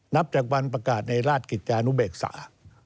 นับจากวันประกาศในราชกิจจานุเบกษา